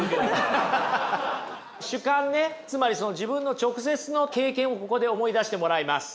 主観ねつまり自分の直接の経験をここで思い出してもらいます。